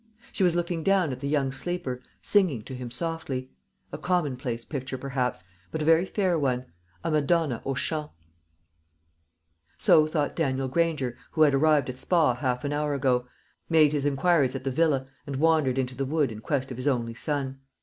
She was looking down at the young sleeper, singing to him softly a commonplace picture perhaps, but a very fair one a Madonna aux champs. So thought Daniel Granger, who had arrived at Spa half an hour ago, made his inquiries at the villa, and wandered into the wood in quest of his only son.